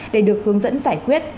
để được hướng dẫn giải quyết